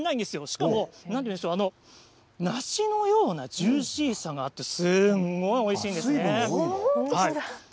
しかも、なんて言うんですかね、梨のようなジューシーさがあって、すごいおいしいんですね。